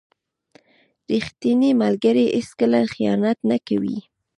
• ریښتینی ملګری هیڅکله خیانت نه کوي.